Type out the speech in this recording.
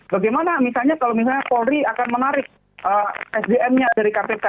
bagaimana misalnya kalau misalnya polri akan menarik sdm nya dari kpk